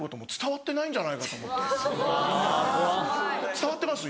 伝わってます？